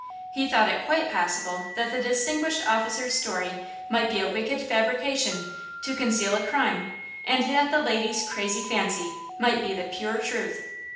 He thought it quite possible that the distinguished officer's story might be a wicked fabrication, to conceal a crime, and that the lady's "crazy fancy" might be the pure truth.